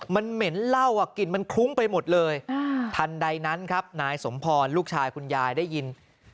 มันเหม็นเหล้าอ่ะกลิ่นมันคลุ้งไปหมดเลยทันใดนั้นครับนายสมพรลูกชายคุณยายได้ยิน